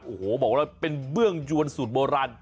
โอ้โหบอกว่าเป็นเบื้องยวนสูตรโบราณ